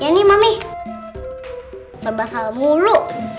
ya nih mami serba salah mulu